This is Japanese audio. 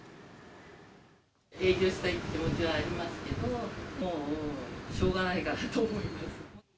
営業したい気持ちはありますけど、もうしょうがないかなと思います。